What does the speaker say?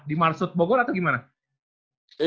di marsut bogor atau gimana